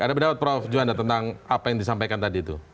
ada pendapat prof juanda tentang apa yang disampaikan tadi itu